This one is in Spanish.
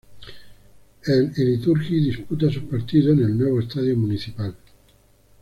El Iliturgi disputa sus partidos en el Nuevo Estadio Municipal.